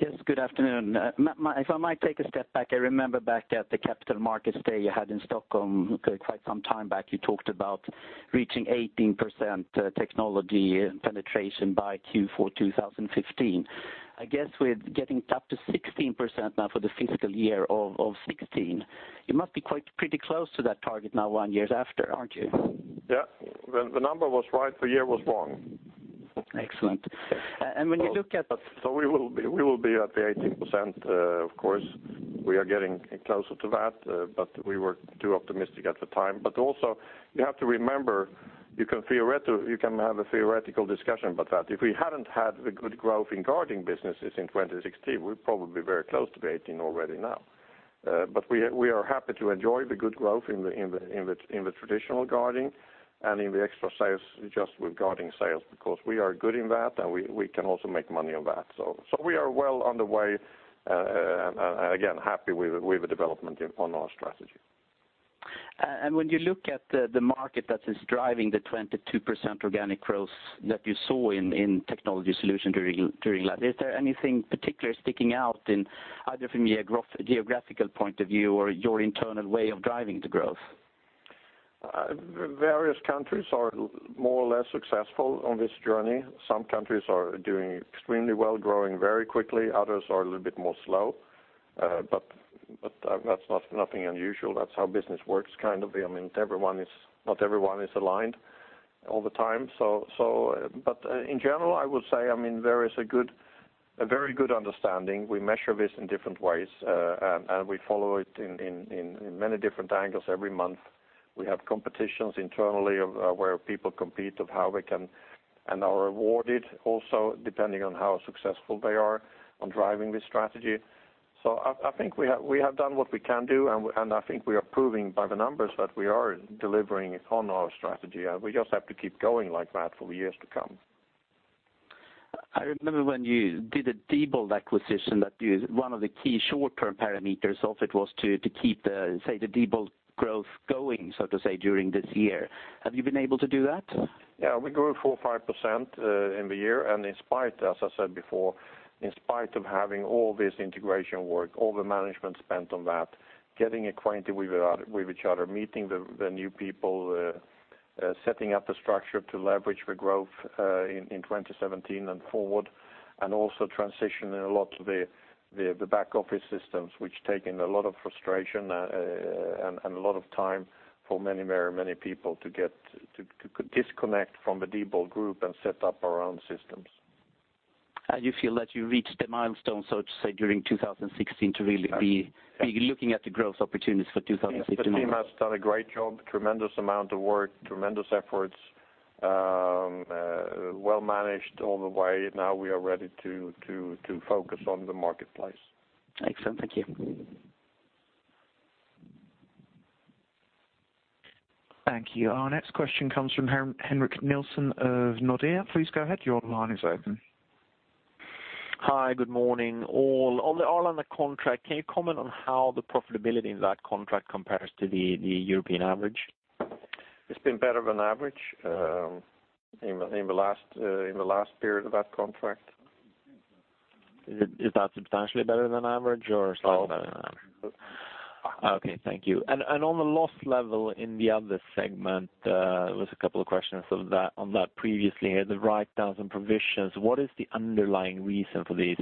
Yes, good afternoon. If I might take a step back, I remember back at the Capital Markets Day you had in Stockholm quite some time back, you talked about reaching 18% technology penetration by Q4 2015. I guess with getting up to 16% now for the fiscal year of 2016, you must be quite pretty close to that target now, one years after, aren't you? Yeah. Well, the number was right, the year was wrong. Excellent. And when you look at- So we will be at the 18%, of course, we are getting closer to that, but we were too optimistic at the time. But also, you have to remember, you can have a theoretical discussion about that. If we hadn't had the good growth in guarding businesses in 2016, we're probably very close to being 18 already now. But we are happy to enjoy the good growth in the traditional guarding and in the extra sales, just with guarding sales, because we are good in that, and we can also make money on that. So we are well on the way, again, happy with the development on our strategy. When you look at the market that is driving the 22% organic growth that you saw in technology solution during that, is there anything particular sticking out in either from a geographical point of view or your internal way of driving the growth? Various countries are more or less successful on this journey. Some countries are doing extremely well, growing very quickly, others are a little bit more slow. But that's not nothing unusual. That's how business works, kind of. I mean, not everyone is aligned all the time, so... But in general, I would say, I mean, there is a good, a very good understanding. We measure this in different ways, and we follow it in many different angles every month. We have competitions internally where people compete of how we can, and are rewarded also, depending on how successful they are on driving this strategy. So I think we have done what we can do, and I think we are proving by the numbers that we are delivering on our strategy, and we just have to keep going like that for years to come. I remember when you did a Diebold acquisition, that one of the key short-term parameters of it was to keep the, say, the Diebold growth going, so to say, during this year. Have you been able to do that? Yeah, we grew 4%-5% in the year, and in spite, as I said before, in spite of having all this integration work, all the management spent on that, getting acquainted with each other, with each other, meeting the new people, setting up the structure to leverage the growth in 2017 and forward, and also transitioning a lot to the back office systems, which taken a lot of frustration and a lot of time for many, very many people to get to disconnect from the Diebold group and set up our own systems. You feel that you reached the milestone, so to say, during 2016, to really be- Yes... looking at the growth opportunities for 2016? The team has done a great job, tremendous amount of work, tremendous efforts, well managed all the way. Now we are ready to focus on the marketplace. Excellent. Thank you. Thank you. Our next question comes from Henrik Nilsson of Nordea. Please go ahead, your line is open. Hi, good morning, all. On the Arlanda contract, can you comment on how the profitability in that contract compares to the European average? It's been better than average in the last period of that contract. Is that substantially better than average or slightly better than average? Well... Okay, thank you. And on the loss level in the other segment, there was a couple of questions on that, on that previously. The write-downs and provisions, what is the underlying reason for these?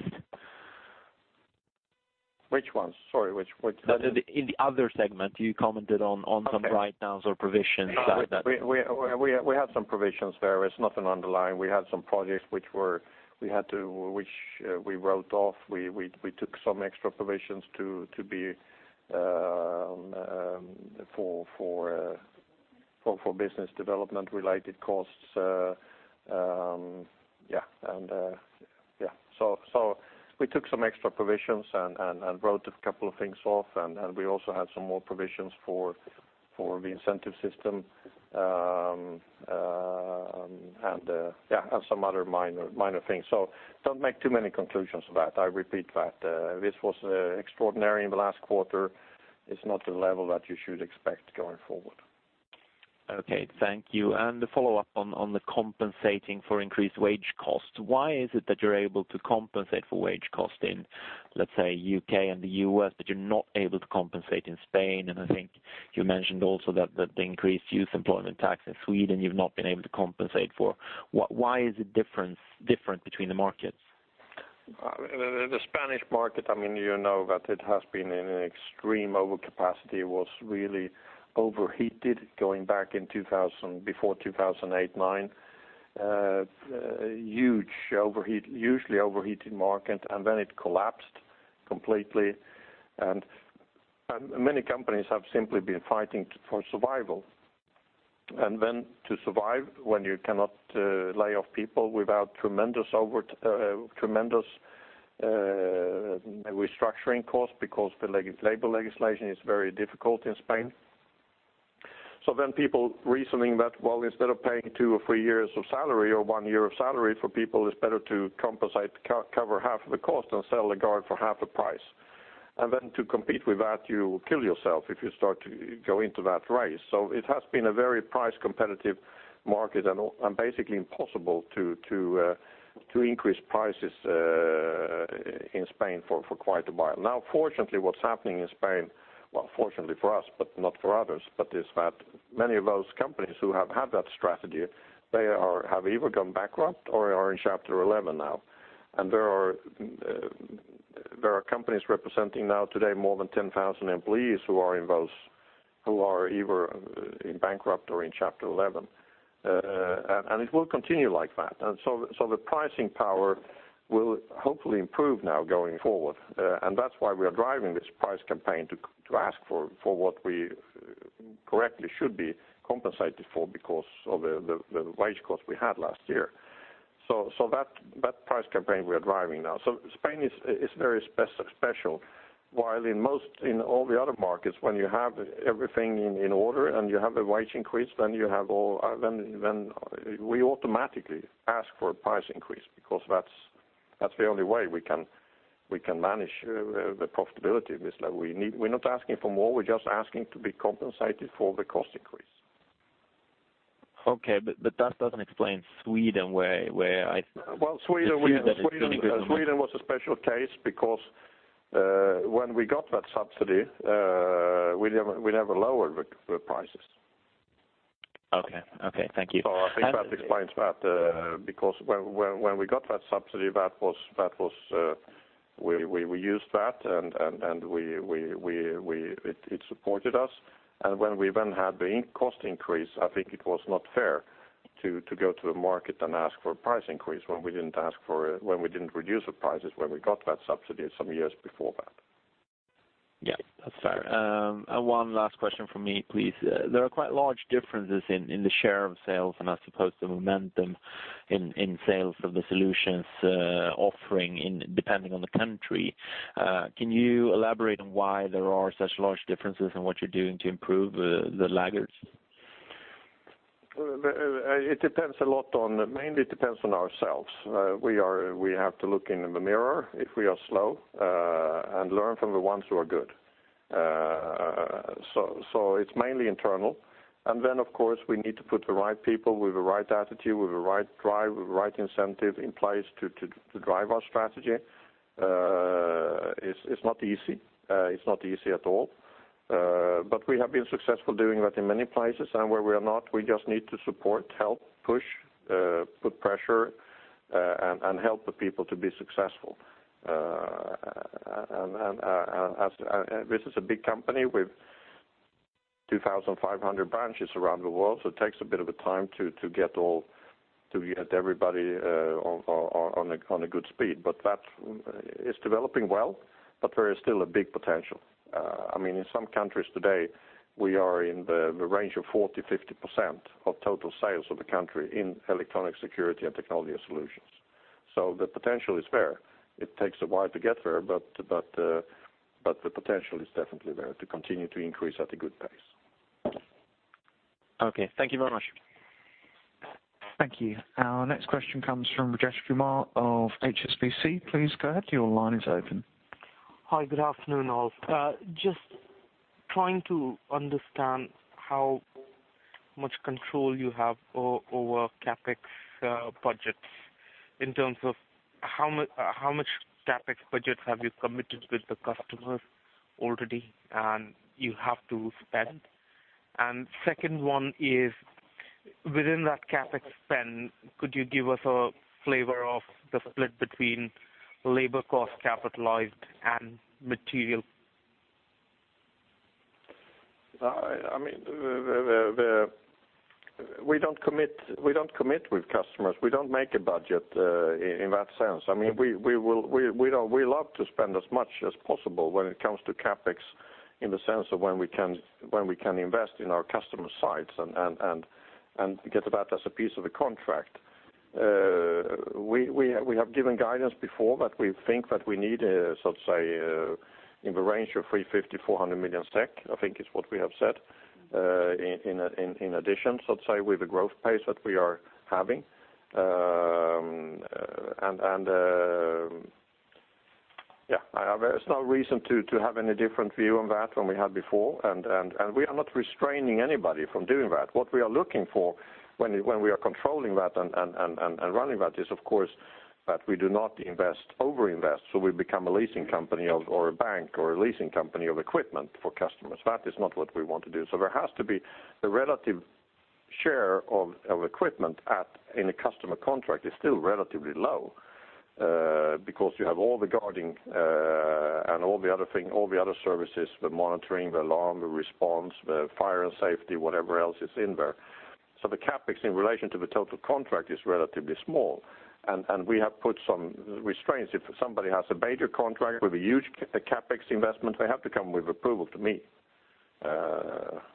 Which ones? Sorry, which? In the other segment, you commented on some- Okay... write-downs or provisions that- We had some provisions there. It's nothing underlying. We had some projects which we wrote off. We took some extra provisions for business development-related costs. So we took some extra provisions and wrote a couple of things off, and we also had some more provisions for the incentive system, and some other minor things. So don't make too many conclusions of that. I repeat that this was extraordinary in the last quarter. It's not the level that you should expect going forward. Okay, thank you. And a follow-up on the compensating for increased wage costs. Why is it that you're able to compensate for wage costs in, let's say, U.K. and the U.S., but you're not able to compensate in Spain? And I think you mentioned also that the increased youth employment tax in Sweden, you've not been able to compensate for. Why is it different between the markets? The Spanish market, I mean, you know that it has been in an extreme overcapacity, was really overheated going back in 2000, before 2008, 2009. A huge overheat, hugely overheating market, and then it collapsed completely. Many companies have simply been fighting for survival. Then to survive, when you cannot lay off people without tremendous restructuring costs, because the labor legislation is very difficult in Spain. So then people reasoning that, well, instead of paying two or three years of salary or one year of salary for people, it's better to compensate, cover half of the cost and sell the guard for half the price. And then to compete with that, you kill yourself if you start to go into that race. So it has been a very price competitive market and basically impossible to increase prices in Spain for quite a while. Now, fortunately, what's happening in Spain, fortunately for us, but not for others, is that many of those companies who have had that strategy, they have either gone bankrupt or are in Chapter 11 now. And there are companies representing more than 10,000 employees who are either in bankruptcy or in Chapter 11. And it will continue like that. So the pricing power will hopefully improve now going forward. And that's why we are driving this price campaign, to ask for what we correctly should be compensated for because of the wage cost we had last year. So that price campaign we are driving now. So Spain is very special, while in most, in all the other markets, when you have everything in order and you have a wage increase, then you have all, then we automatically ask for a price increase, because that's the only way we can manage the profitability of this level. We're not asking for more, we're just asking to be compensated for the cost increase. Okay, but that doesn't explain Sweden, where I- Well, Sweden, That is doing good. Sweden was a special case because when we got that subsidy, we never lowered the prices. Okay. Okay, thank you. So I think that explains that, because when we got that subsidy, that was, we used that, and it supported us. And when we then had the increasing cost increase, I think it was not fair to go to the market and ask for a price increase when we didn't ask for it, when we didn't reduce the prices, when we got that subsidy some years before that. Yeah, that's fair. One last question from me, please. There are quite large differences in the share of sales, and I suppose the momentum in sales of the solutions offering, depending on the country. Can you elaborate on why there are such large differences and what you're doing to improve the laggards? It depends a lot on, mainly it depends on ourselves. We have to look in the mirror if we are slow, and learn from the ones who are good. So it's mainly internal. And then, of course, we need to put the right people with the right attitude, with the right drive, with the right incentive in place to drive our strategy. It's not easy. It's not easy at all, but we have been successful doing that in many places, and where we are not, we just need to support, help, push, put pressure, and help the people to be successful. This is a big company with 2,500 branches around the world, so it takes a bit of a time to get everybody on a good speed. That is developing well, but there is still a big potential. I mean, in some countries today, we are in the range of 40%-50% of total sales of the country in electronic security and technology solutions. So the potential is there. It takes a while to get there, but the potential is definitely there to continue to increase at a good pace. Okay. Thank you very much. Thank you. Our next question comes from Rajesh Kumar of HSBC. Please go ahead, your line is open. Hi, good afternoon, all. Just trying to understand how much control you have over CapEx budgets, in terms of how much CapEx budget have you committed with the customers already, and you have to spend? And second one is, within that CapEx spend, could you give us a flavor of the split between labor cost capitalized and material? I mean, we don't commit with customers. We don't make a budget in that sense. I mean, we love to spend as much as possible when it comes to CapEx, in the sense of when we can invest in our customer sites and get that as a piece of a contract. We have given guidance before that we think that we need, so to say, in the range of 350 million-400 million SEK, I think is what we have said, in addition, so to say, with the growth pace that we are having. Yeah, there is no reason to have any different view on that than we had before, and we are not restraining anybody from doing that. What we are looking for when we are controlling that and running that is, of course, that we do not invest, over-invest, so we become a leasing company of, or a bank, or a leasing company of equipment for customers. That is not what we want to do. So there has to be the relative share of equipment in a customer contract is still relatively low, because you have all the guarding, and all the other thing, all the other services, the monitoring, the alarm, the response, the fire and safety, whatever else is in there. So the CapEx in relation to the total contract is relatively small, and we have put some restraints. If somebody has a major contract with a huge CapEx investment, they have to come with approval to me,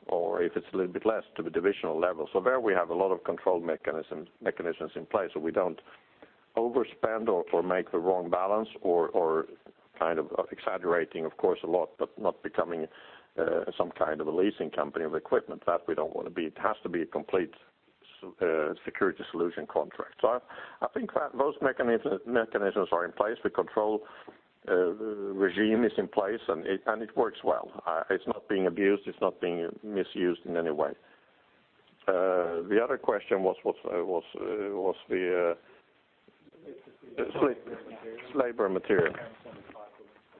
or if it's a little bit less, to the divisional level. So there we have a lot of control mechanisms in place, so we don't overspend or make the wrong balance or kind of exaggerating, of course, a lot, but not becoming some kind of a leasing company of equipment. That we don't want to be. It has to be a complete security solution contract. So I think that those mechanisms are in place. The control regime is in place, and it works well. It's not being abused, it's not being misused in any way. The other question was the Labor and material. Labor and material. Depends on the type.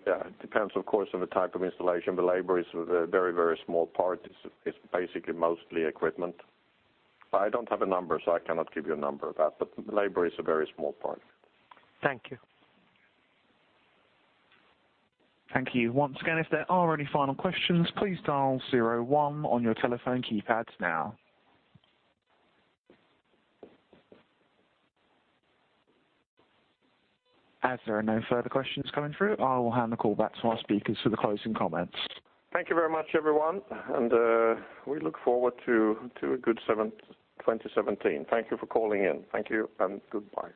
Yeah, it depends, of course, on the type of installation. The labor is a very, very small part. It's basically mostly equipment. I don't have a number, so I cannot give you a number of that, but labor is a very small part. Thank you. Thank you. Once again, if there are any final questions, please dial zero one on your telephone keypads now. As there are no further questions coming through, I will hand the call back to our speakers for the closing comments. Thank you very much, everyone, and we look forward to a good 2017. Thank you for calling in. Thank you and goodbye.